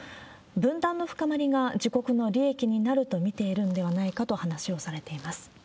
分断の深まりが、自国の利益になると見ているんではないかと話をされています。